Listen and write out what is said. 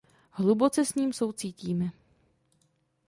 Hluboce s ním soucítíme.